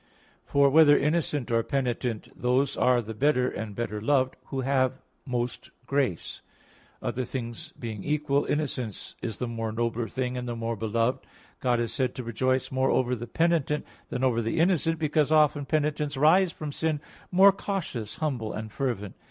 For whether innocent or penitent, those are the better and better loved who have most grace. Other things being equal, innocence is the nobler thing and the more beloved. God is said to rejoice more over the penitent than over the innocent, because often penitents rise from sin more cautious, humble, and fervent.